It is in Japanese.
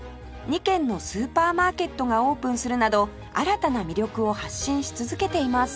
２軒のスーパーマーケットがオープンするなど新たな魅力を発信し続けています